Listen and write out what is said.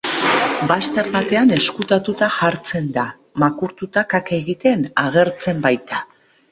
Bazter batean ezkutatuta jartzen da, makurtuta kaka egiten agertzen baita.